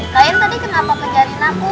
klien tadi kenapa kejarin aku